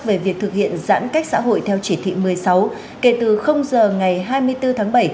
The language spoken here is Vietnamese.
về việc thực hiện giãn cách xã hội theo chỉ thị một mươi sáu kể từ giờ ngày hai mươi bốn tháng bảy